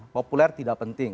populer tidak penting